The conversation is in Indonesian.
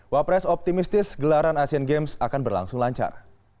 wapres optimistis gelaran asian games akan berlangsung lancar